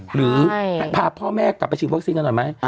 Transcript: หรือพาพ่อแม่กลับไปฉีดวัคซีนกันหน่อยไหม